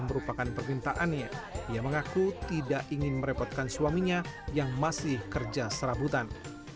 merupakan permintaannya ia mengaku tidak ingin merepotkan suaminya yang masih kerja serabutan